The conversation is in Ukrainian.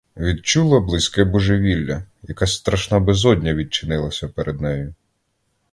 Відчула близьке божевілля; якась страшна безодня відчинилася перед нею.